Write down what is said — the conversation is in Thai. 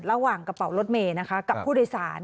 ระหว่างกระเป๋ารถเมย์นะคะกับผู้โดยสาร